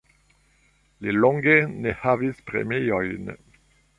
Li longe ne havis premiojn.